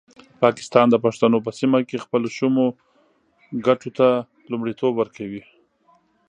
پاکستان د پښتنو په سیمه کې خپلو شومو ګټو ته لومړیتوب ورکوي.